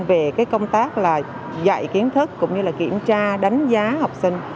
về công tác dạy kiến thức kiểm tra đánh giá học sinh